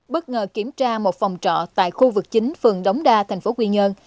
bất ngờ kiểm tra một phòng trọ tại khu vực chính phường đống đa thành phố quy nhơn